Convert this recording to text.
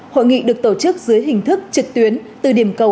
hội nghị được tổ chức dưới hình thức trực tuyến từ điểm cầu